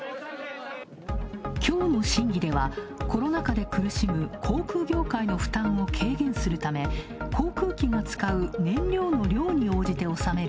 きょうの審議ではコロナ禍で苦しむ航空業界の負担を軽減するため航空機が使う燃料の量に応じて納める